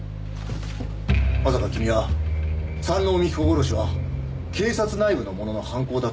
まさか君は山王美紀子殺しは警察内部の者の犯行だと考えているのか？